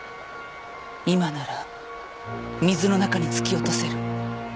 今なら水の中に突き落とせる。